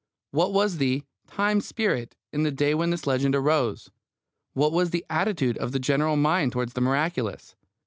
What was the "time spirit" in the day when this legend arose? What was the attitude of the general mind towards the miraculous?